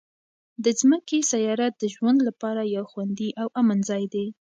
د ځمکې سیاره د ژوند لپاره یو خوندي او امن ځای دی.